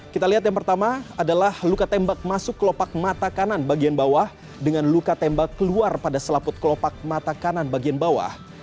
kita lihat yang pertama adalah luka tembak masuk kelopak mata kanan bagian bawah dengan luka tembak keluar pada selaput kelopak mata kanan bagian bawah